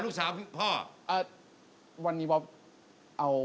ฟงเหมือนพี่ไหมที่แบบว่า